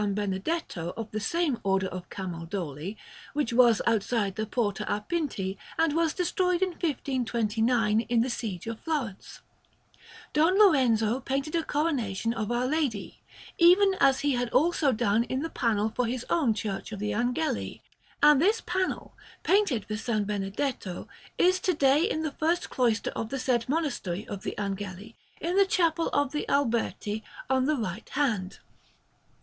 Benedetto, of the same Order of Camaldoli, which was outside the Porta a Pinti and was destroyed in 1529, in the siege of Florence, Don Lorenzo painted a Coronation of Our Lady, even as he had also done in the panel for his own Church of the Angeli; and this panel, painted for S. Benedetto, is to day in the first cloister of the said Monastery of the Angeli, in the Chapel of the Alberti, on the right hand.